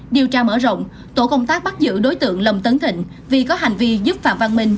điều tra mở rộng tổ công tác bắt giữ đối tượng lâm tấn thịnh vì có hành vi giúp phạm văn minh